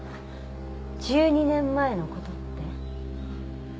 １２年前の事って？